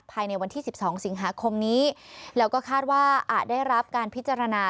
ภายในวันที่๑๒สิงหาคมนี้แล้วก็คาดว่าอาจได้รับการพิจารณา